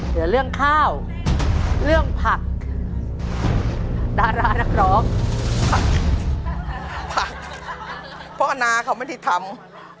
เพราะนะเขาไม่ได้ทำ